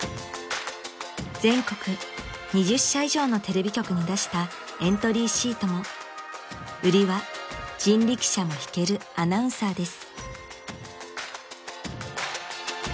［全国２０社以上のテレビ局に出したエントリーシートも売りは人力車も引けるアナウンサーです］